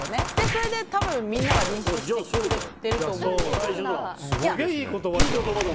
それで多分、みんなが認識してくれてると思う。